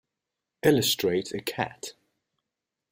Illustrate a cat.